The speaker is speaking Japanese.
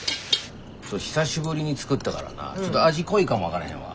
久しぶりに作ったからなちょっと味濃いかも分からへんわ。